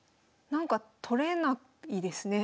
なんか取れないですね。